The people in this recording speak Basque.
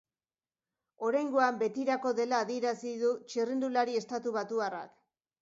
Oraingoan betirako dela adierazu du txirrindulari estatubatuarrak.